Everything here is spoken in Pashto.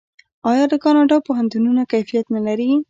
آیا د کاناډا پوهنتونونه کیفیت نلري؟